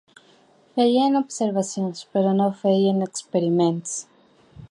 Feien observacions però no feien experiments.